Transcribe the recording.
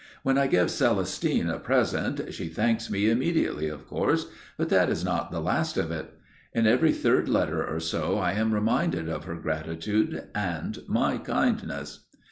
When I give Celestine a present she thanks me immediately, of course, but that is not the last of it. In every third letter or so I am reminded of her gratitude and my kindness.